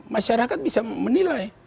masyarakat bisa menilai